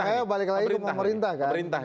makanya balik lagi ke pak merintah kan